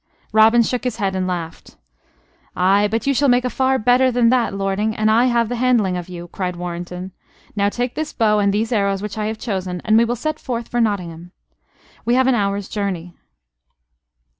Robin shook his head and laughed. "Ay, but you shall make far better than that, lording, an I have the handling of you!" cried Warrenton. "Now take this bow and these arrows which I have chosen; and we will set forth for Nottingham. We have an hour's journey."